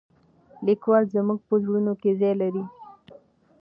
لیکوال زموږ په زړونو کې ځای لري.